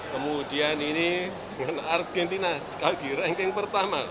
kemudian ini dengan argentina sekali lagi ranking pertama